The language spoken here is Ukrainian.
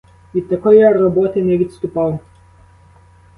Від такої роботи не відступав.